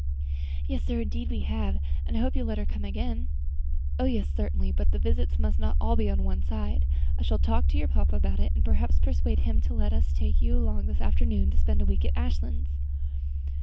"Yes, sir, indeed we have; and I hope you will let her come again." "Oh! yes, certainly; but the visits must not be all on one side. I shall talk to your papa about it, and perhaps persuade him to let us take you along this afternoon to spend a week at Ashlands."